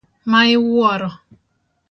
Ma iwuoro.